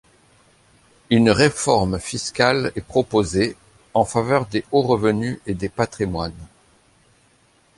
Une réforme fiscale est proposée, en faveur des hauts revenus et des patrimoines.